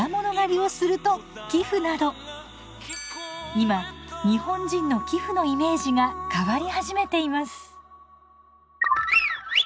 今日本人の寄付のイメージが変わり始めています。